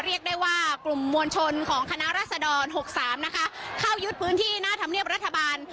เรียกได้ว่ากลุ่มมวลชนของคณะรัศดร๖๓นะคะเข้ายึดพื้นที่หน้าธรรมเนียบรัฐบาล